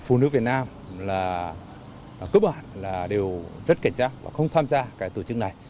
phụ nữ việt nam là cấp bản là đều rất cảnh giác và không tham gia cái tổ chức này